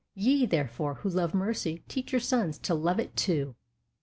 Ye, therefore, who love mercy, teach your sons To love it, too.